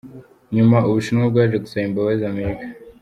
Nyuma u Bushinwa bwaje gusaba imbabazi Amerika.